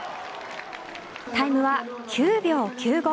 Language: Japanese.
タイムは９秒９５。